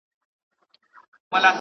که درناوی وي نو خپګان نه راځي.